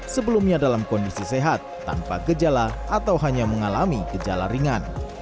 sebelumnya dalam kondisi sehat tanpa gejala atau hanya mengalami gejala ringan